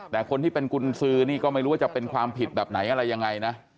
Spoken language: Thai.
แต่คนที่เป็นกุญสือนี่ก็ไม่รู้ว่าจะเป็นความผิดแบบไหนอะไรยังไงนะ